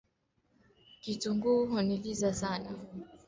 Kitunguu gram hamsini kitahitajika